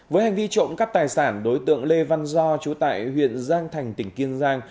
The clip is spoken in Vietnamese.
với hành vi trộm cắp tài sản đối tượng lê văn do chú tại huyện giang thành tỉnh kiên giang